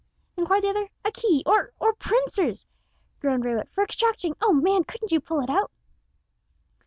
inquired the other. "A key, or or pincers," groaned Raywood, "for extracting oh! man, couldn't you pull it out?"